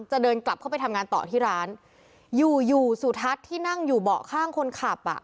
จะเดินกลับเข้าไปทำงานต่อที่ร้านอยู่อยู่สุทัศน์ที่นั่งอยู่เบาะข้างคนขับอ่ะ